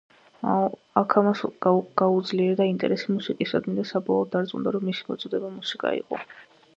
აქ მას გაუძლიერდა ინტერესი მუსიკისადმი და საბოლოოდ დარწმუნდა, რომ მისი მოწოდება მუსიკა იყო.